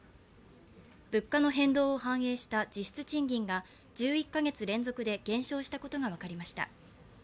物価の変動を反映した実質賃金が１１か月連続で減少したことが分かりました。